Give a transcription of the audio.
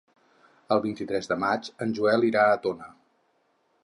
El vint-i-tres de maig en Joel irà a Tona.